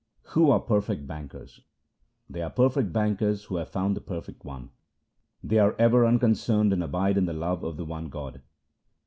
Who are perfect bankers :— They are perfect bankers who have found the Perfect One ; They are ever 1 unconcerned and abide in the love of the One God.